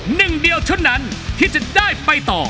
หนึ่งเดียวเท่านั้นที่จะได้ไปต่อ